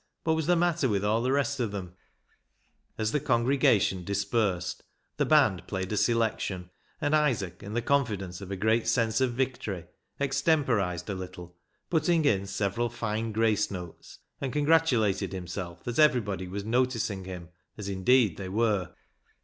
What was the matter with all the rest of them ? As the congregation dispersed, the band played a selection, and Isaac, in the confidence of a great sense of victory, extemporised a little, putting in several fine grace notes ; and congratulated himself that ever}body was noticing him, as indeed they were.